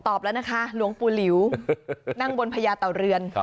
แล้วนะคะหลวงปู่หลิวนั่งบนพญาเต่าเรือน